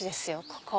ここ。